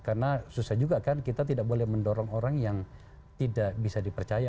karena susah juga kan kita tidak boleh mendorong orang yang tidak bisa dipercaya